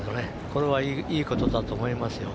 これは、いいことだと思いますよ。